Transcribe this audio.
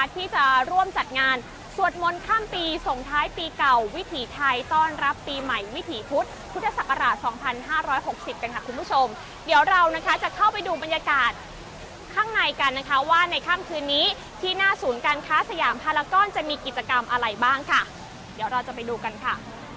ที่จะร่วมจัดงานสวดมนต์ข้ามปีส่งท้ายปีเก่าวิถีไทยต้อนรับปีใหม่วิถีพุธพุทธศักราช๒๕๖๐กันค่ะคุณผู้ชมเดี๋ยวเรานะคะจะเข้าไปดูบรรยากาศข้างในกันนะคะว่าในค่ำคืนนี้ที่หน้าศูนย์การค้าสยามพารากรจะมีกิจกรรมอะไรบ้างค่ะเดี๋ยวเราจะไปดูกันค่ะ